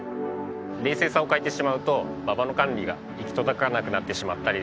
冷静さを欠いてしまうと馬場の管理が行き届かなくなってしまったりですね